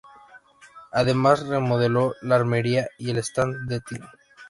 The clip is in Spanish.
Además remodeló la armería y el stand de tiro.